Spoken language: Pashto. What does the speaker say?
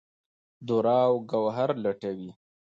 دُراو ګوهر لټوي